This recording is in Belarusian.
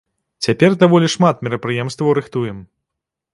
Цяпер даволі шмат мерапрыемстваў рыхтуем.